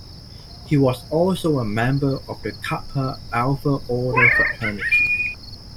He was also a member of the Kappa Alpha Order fraternity.